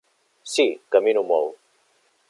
Sí, camino molt.